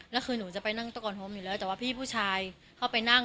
แล้วคือหนูจะไปนั่งตะโกนโฮมอยู่แล้วแต่ว่าพี่ผู้ชายเข้าไปนั่ง